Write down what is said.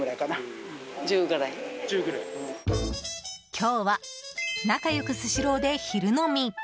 今日は仲良くスシローで昼飲み。